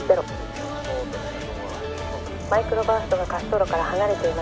「マイクロバーストが滑走路から離れています」